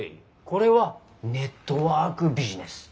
これはネットワークビジネス。